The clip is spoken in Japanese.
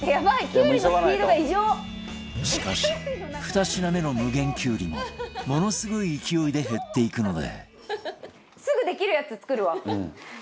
しかし２品目の無限きゅうりもものすごい勢いで減っていくので